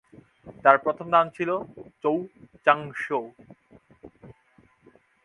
তার প্রথম নাম ছিলো চৌ চাংশৌ।